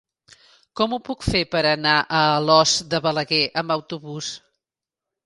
Com ho puc fer per anar a Alòs de Balaguer amb autobús?